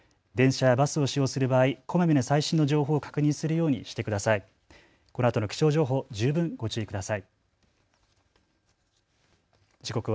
電車やバスを使用する場合こまめに最新の情報を確認するようにしてください。